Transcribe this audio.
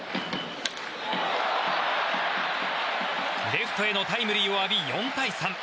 レフトへのタイムリーを浴び４対３。